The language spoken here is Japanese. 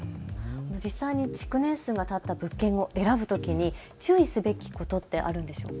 実際に築年数がたった物件を選ぶときに注意すべきことってあるんでしょうか。